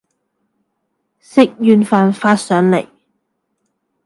食完飯發上嚟